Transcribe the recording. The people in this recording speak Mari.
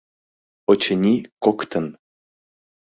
— Очыни, коктын.